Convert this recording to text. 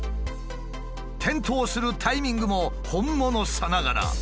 点灯するタイミングも本物さながら。